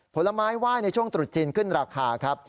ผลไม้ไหว้ในช่วงตรุษจีนขึ้นราคาครับ